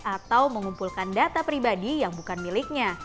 atau mengumpulkan data pribadi yang bukan miliknya